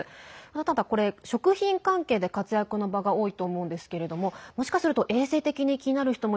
ただ、これ食品関係で活躍の場が多いと思うんですけどもしかすると衛生的に気になる人も